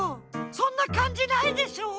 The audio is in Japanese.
そんなかんじないでしょ！